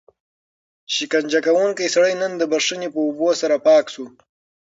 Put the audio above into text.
شکنجه کوونکی سړی نن د بښنې په اوبو سره پاک شو.